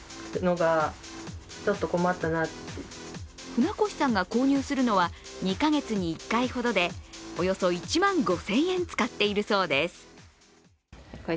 船越さんが購入するのは２か月に１回ほどでおよそ１万５０００円、使っているそうです。